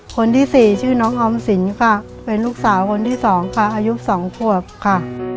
คนที่สี่ชื่อน้องออมสินค่ะเป็นลูกสาวคนที่สองค่ะอายุ๒ขวบค่ะ